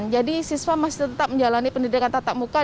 jadi siswa masih tetap menjalani pendidikan tatap muka